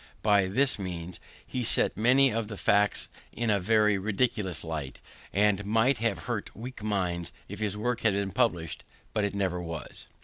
By this means he set many of the facts in a very ridiculous light, and might have hurt weak minds if his work had been published; but it never was.